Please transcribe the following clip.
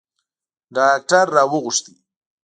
ډاکتر را وغوښت.